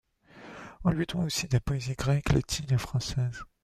On lui doit aussi des poésies grecques, latines et françaises.